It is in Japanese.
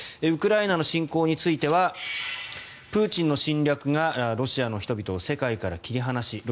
ウクライナの侵攻についてはプーチンの侵略がロシアの人々を世界から切り離し